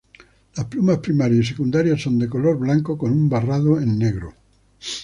Las plumas primarias y secundarias son de color blanco, con un barrado en negro.